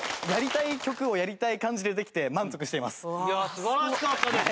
素晴らしかったです！